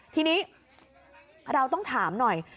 ทีนี้เราต้องถามหน่อย